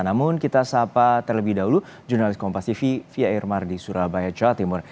namun kita sapa terlebih dahulu jurnalis kompas tv fia irmar di surabaya jawa timur